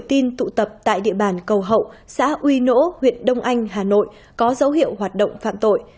tại địa bàn cầu hậu xã uy nỗ huyện đông anh hà nội có dấu hiệu hoạt động phạm tội